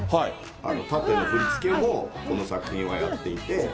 たての振り付けをこの作品はやっていて。